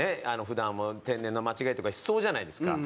普段も天然の間違いとかしそうじゃないですか。